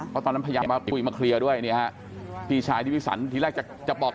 เพราะตอนนั้นพยายามมาคุยมาเคลียร์ด้วยเนี่ยฮะพี่ชายที่วิสันทีแรกจะบอก